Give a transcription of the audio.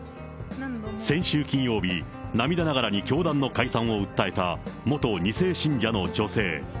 先週金曜日、涙ながらに教団の解散を訴えた、元２世信者の女性。